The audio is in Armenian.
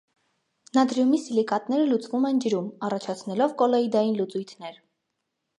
Նատրիումի սիլիկատները լուծվում են ջրում՝ առաջացնելով կոլոիդային լուծույթներ։